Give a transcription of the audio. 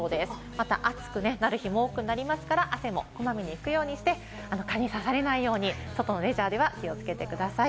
また暑くなる日も多くなりますから、汗もこまめに拭くようにして蚊に刺されないように、外のレジャーでは気をつけてください。